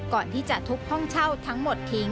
ก่อนที่จะทุบห้องเช่าทั้งหมดทิ้ง